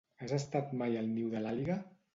Has estat mai al Niu de l'Àliga?